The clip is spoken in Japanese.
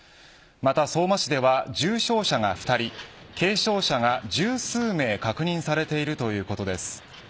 また相馬市では重傷者が２人軽傷者が１０数名確認されているということです。